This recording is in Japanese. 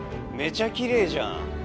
めちゃきれいじゃん！